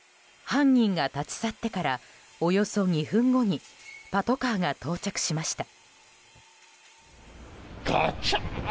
犯人が立ち去ってからおよそ２分後にパトカーが到着しました。